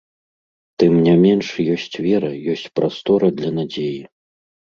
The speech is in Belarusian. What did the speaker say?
Тым не менш, ёсць вера, ёсць прастора для надзеі.